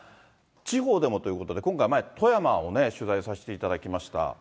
地方でもということで、今回、富山をね、取材させていただきました。